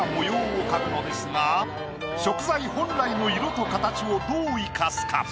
食材本来の色と形をどう生かすか。